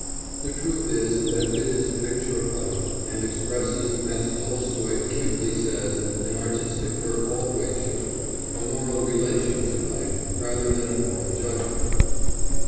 The truth is that it is a picture of life, and expresses, as Tolstoy acutely says an artistic work always should, a moral relation to life rather than a moral judgment.